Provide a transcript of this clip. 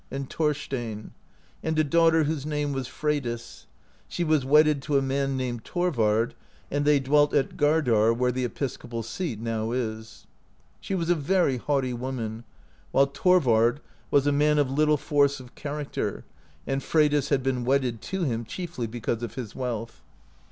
and Thorstein, and a daughter whose name w^as Freydis; she was wedded to a man named Thorvard, and they dwelt at Gardar, where the episcopal seat now is. She was a very haughty woman, while Thorvard was a man of little force of character, and Freydis had been wedded to him chiefly because of his wealth.